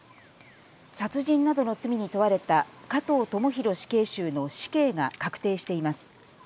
殺人などの罪に問われた加藤智大死刑囚の死刑が確定しています。